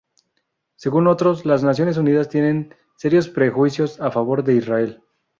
Según otros, las Naciones Unidas tienen serios prejuicios a favor de Israel.